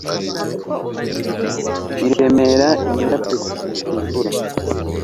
Iremera imirabyo kugusha imvura